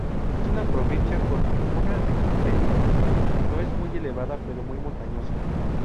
Es una provincia con una altitud media no es muy elevada, pero muy montañosa.